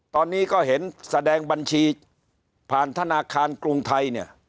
ตอนนี้ก็เห็นแสดงบัญชีผ่านธนาคารกรุงไทยเนี่ย